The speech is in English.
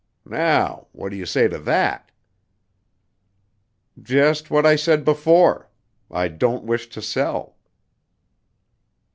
Now, what do you say to that?" "Just what I said before. I don't wish to sell."